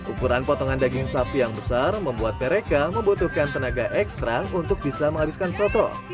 ukuran potongan daging sapi yang besar membuat mereka membutuhkan tenaga ekstra untuk bisa menghabiskan soto